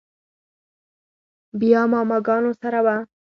بيا ماما ګانو سره و.